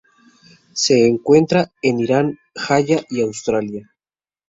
Se encuentra en Irian Jaya y Australia.